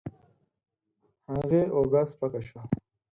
هغې اوږه سپکه شوه.